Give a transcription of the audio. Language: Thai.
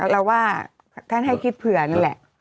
เราว่าท่านให้คิดเผื่อนั่นแหละ